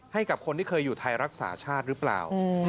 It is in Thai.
ให้กับคนที่เคยอยู่ไทยรักษาชาติหรือเปล่า